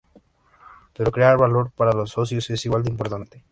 Pero crear valor para los socios es igual de importante.